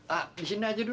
ah di sini aja dulu